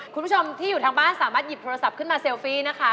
คุณผู้ชมที่อยู่ทางบ้านสามารถหยิบโทรศัพท์ขึ้นมาเซลฟี่นะคะ